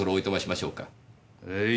はい。